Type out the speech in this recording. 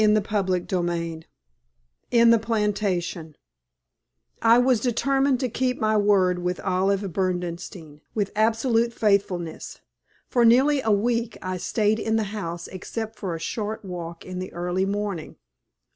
CHAPTER XXIII IN THE PLANTATION I was determined to keep my word with Olive Berdenstein with absolute faithfulness. For nearly a week I stayed in the house except for a short walk in the early morning.